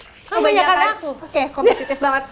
oh banyakan aku oke kompetitif banget